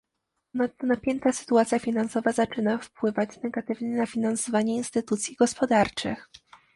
Ponadto napięta sytuacja finansowa zaczyna wpływać negatywnie na finansowanie instytucji gospodarczych